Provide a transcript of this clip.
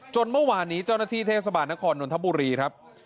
เมื่อวานนี้เจ้าหน้าที่เทศบาลนครนนทบุรีครับ